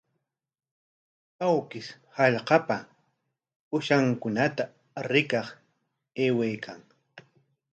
Awkish hallqapa uushankunata rikaq aywaykan.